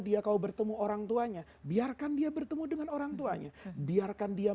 dia kau bertemu orang tuanya biarkan dia bertemu dengan orang tuanya biarkan dia